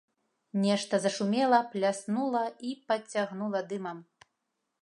Нешта зашумела, пляснула і пацягнула дымам.